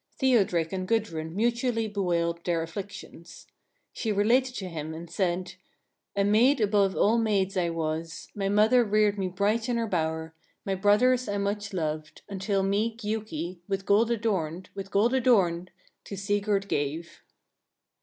Theodric and Gudrun mutually bewailed their afflictions. She related to him and said: 1. A maid above all maids I was; my mother reared me bright in her bower; my brothers I much loved, until me Giuki, with gold adorned, with gold adorned, to Sigurd gave.